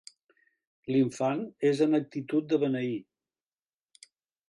L'infant és en actitud de beneir.